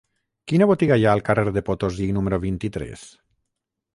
Quina botiga hi ha al carrer de Potosí número vint-i-tres?